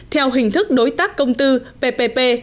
theo hình thức đối tác công tư ppp